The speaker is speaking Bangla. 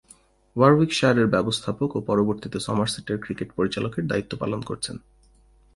ওয়ারউইকশায়ারের ব্যবস্থাপক ও পরবর্তীতে সমারসেটের ক্রিকেট পরিচালকের দায়িত্ব পালন করছেন।